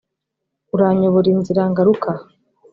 uranyobora inzira ngaruka aha.